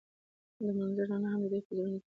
د منظر رڼا هم د دوی په زړونو کې ځلېده.